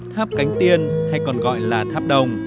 tháp cánh tiên hay còn gọi là tháp đồng